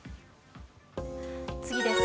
次です。